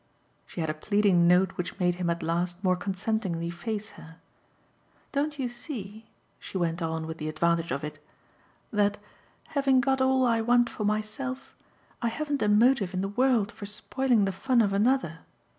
She had a pleading note which made him at last more consentingly face her. "Don't you see," she went on with the advantage of it, "that, having got all I want for myself, I haven't a motive in the world for spoiling the fun of another?